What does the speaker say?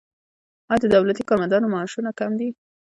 آیا د دولتي کارمندانو معاشونه کم دي؟